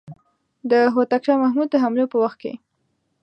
د هوتک شاه محمود د حملو په وخت کې.